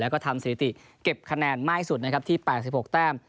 แล้วก็ทำสถิตย์เก็บคะแนนมากที่สุดนะครับที่แปดกี่สิบหกแบ้ง